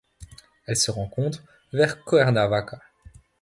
Elle se rencontre vers Cuernavaca.